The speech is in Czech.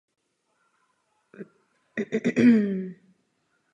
Musí se to zlepšit.